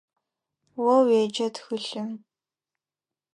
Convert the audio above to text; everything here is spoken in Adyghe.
О уеджэ тхылъым.